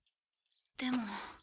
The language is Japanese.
でも。